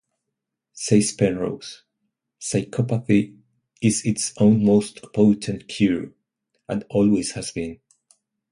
Says Penrose: Psychopathy is its own most potent cure, and always has been.